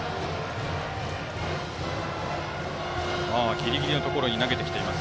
ギリギリのところに投げてきています。